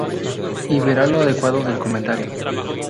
Y verá lo adecuado del comentario.